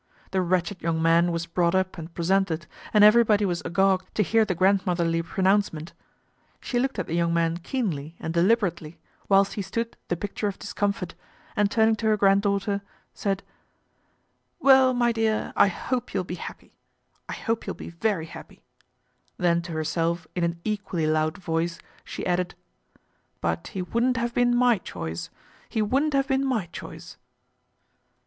The wretched young man was brought up and presented, and everybody was agog to hear the grandmotherly pronouncement, for the old lady was as shrewd as she was frank. She looked at the young man keenly and deliber ately, whilst he stood the picture of discomfort, and turning to her granddaughter, said, " Well, my dear, I hope you'll be happy, I hope you'll be very happy," then to herself in an equally loud voice she added, " But he wouldn't have been my choice, he wouldn't have been my choice."